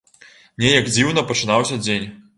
Неяк дзіўна пачынаўся дзень.